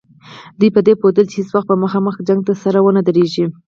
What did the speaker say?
دوی په دې پوهېدل چې هېڅ وخت به مخامخ جنګ ته سره ونه دریږي.